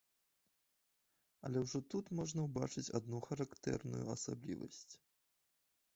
Але ўжо тут можна ўбачыць адну характэрную асаблівасць.